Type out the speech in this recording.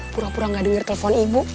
pura pura gak denger telepon ibu